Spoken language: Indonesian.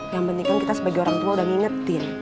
yang penting kan kita sebagai orang tua udah ngingetin